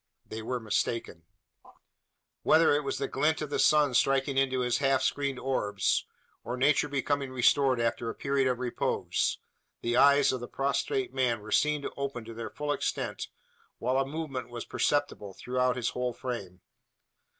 They were mistaken. Whether it was the glint of the sun striking into his half screened orbs, or nature becoming restored after a period of repose, the eyes of the prostrate man were seen to open to their full extent, while a movement was perceptible throughout his whole frame.